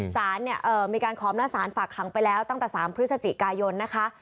สารเนี่ยมีการขอมหน้าสารฝากขังไปแล้วตั้งแต่๓พฤศจิกายนนะคะ